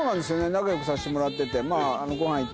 仲良くさせてもらってて。